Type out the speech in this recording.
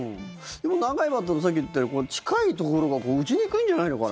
でも、長いバットさっき言ったように近いところが打ちにくいんじゃないのかな。